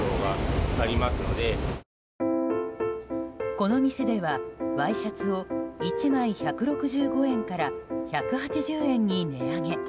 この店ではワイシャツを１枚１６５円から１８０円に値上げ。